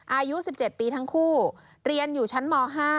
อายุ๑๗ปีทั้งคู่เรียนอยู่ชั้นม๕